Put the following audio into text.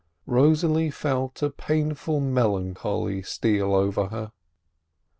Rosalie felt a painful melancholy steal over her.